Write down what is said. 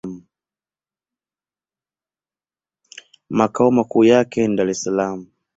Makao makuu yake ni Dar-es-Salaam.